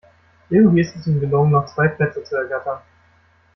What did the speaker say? Irgendwie ist es ihm gelungen, noch zwei Plätze zu ergattern.